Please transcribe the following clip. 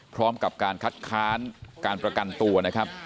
พร้อมกับการคัดค้านการประกันตัวนะครับ